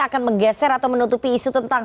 akan menggeser atau menutupi isu tentang